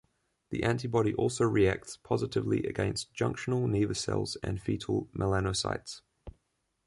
The antibody also reacts positively against junctional nevus cells and fetal melanocytes.